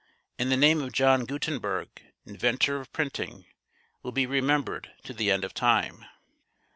And the name of John Gutenberg, inventor of printing, will be remembered to the end of time."